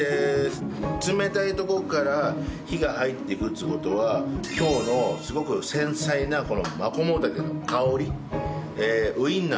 冷たいところから火が入っていくっていう事は今日のすごく繊細なマコモダケの香りウインナー美味しいですよね